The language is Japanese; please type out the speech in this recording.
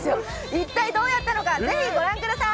一体どうやったのか、ぜひご覧ください。